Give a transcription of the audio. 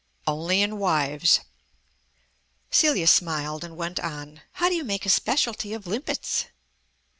"Only in wives." Celia smiled and went on. "How do you make a specialty of limpets?"